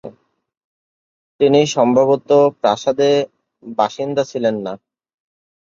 তিনি সম্ভবত প্রাসাদে বাসিন্দা ছিলেন না।